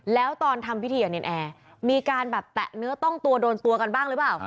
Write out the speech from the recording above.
แล้วตอนทำพิธีกับเนรนแอร์มีการแบบแตะเนื้อต้องตัวโดนตัวกันบ้างหรือเปล่า